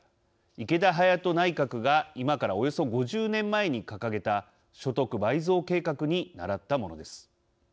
池田隼人内閣が今からおよそ５０年前に掲げた所得倍増計画にならったものです。